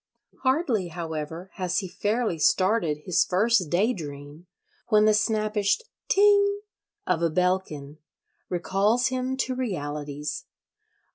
Hardly, however, has he fairly started his first daydream when the snappish "ting" of a bellkin recalls him to realities.